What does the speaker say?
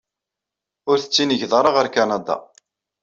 Ur tettiniged ara ɣer Kanada.